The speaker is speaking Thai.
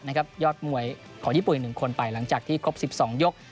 นะครับยอดมวยของญี่ปุ่นหนึ่งคนไปหลังจากที่ครบสิบสองยก